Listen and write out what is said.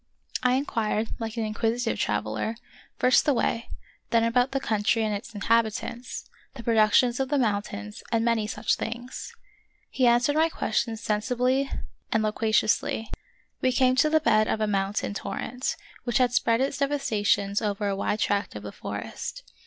I inquired, like an inquisitive traveler, first the way, then about the country and its inhabitants, the productions of the mountains, and many such things. He answered my questions sensibly and loqua ciously. We came to the bed of a mountain torrent, which had spread its devastations over a wide tract of the forest.